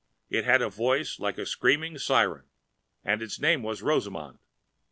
It had a voice like a steam siren and its name was Rosamund.